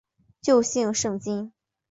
旧姓胜津。